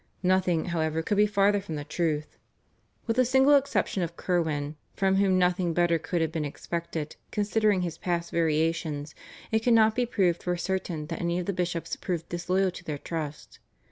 Nothing, however, could be farther from the truth. With the single exception of Curwen, from whom nothing better could have been expected considering his past variations, it cannot be proved for certain that any of the bishops proved disloyal to their trust.